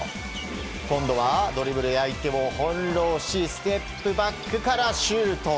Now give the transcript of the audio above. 今度は、ドリブルで相手を翻弄しステップバックからシュート。